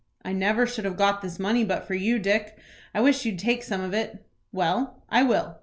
"I never should have got this money but for you, Dick. I wish you'd take some of it." "Well, I will.